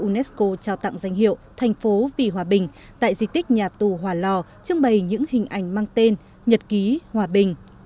unesco trao tặng danh hiệu thành phố vì hòa bình tại di tích nhà tù hòa lò trưng bày những hình ảnh mang tên nhật ký hòa bình